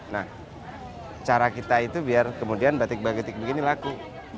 nah cara kita itu biar kemudian batik batik begini laku